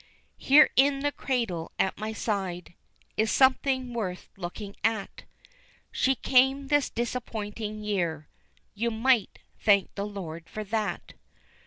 Here in the cradle at my side Is something worth looking at, She came this disappointing year, You might thank the Lord for that.